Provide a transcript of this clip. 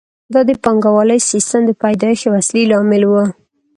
دا د پانګوالي سیسټم د پیدایښت یو اصلي لامل وو